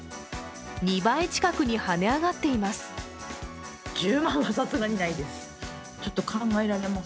２倍近くに跳ね上がっています。